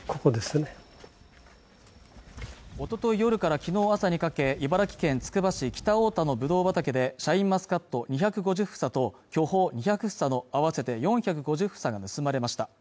おととい夜から昨日朝にかけ茨城県つくば市北太田のぶどう畑でシャインマスカット２５０房と巨峰２００房の合わせて４５０房が盗まれました